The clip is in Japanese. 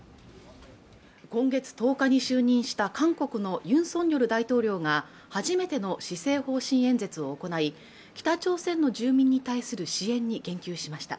今月１０日に就任した韓国のユン・ソンニョル大統領が初めての施政方針演説を行い北朝鮮の住民に対する支援に言及しました